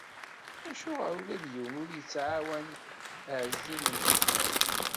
Acuɣer ula-d yiwen ur yettɛawan Ɛezdin n Tezmalt?